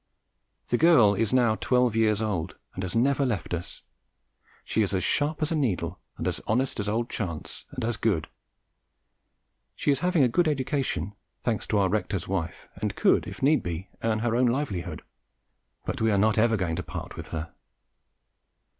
The girl is now twelve years old and has never left us. She is as sharp as a needle and as honest as old Chance and as good. She is having a good education, thanks to our Rector's wife, and could if need be earn her own livelihood, but we are not going ever to part with her.